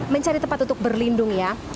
mencari tempat untuk berlindung ya